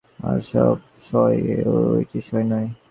আর সব সয়, ঐটি সয় না।